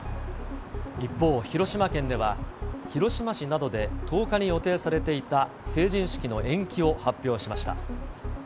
一方、広島県では、広島市などで１０日に予定されていた成人式の延期を発表しました。